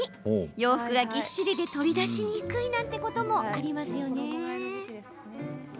洋服がぎっしりで取り出しにくいなんてこと、ありますよね。